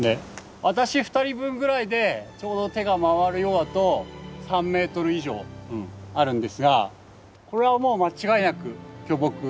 私２人分ぐらいでちょうど手が回るようだと３ｍ以上あるんですがこれはもう間違いなく巨木。